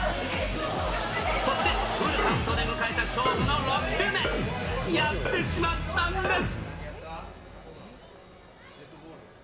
そしてフルカウントで迎えた勝負の６球目、やってしまったんです。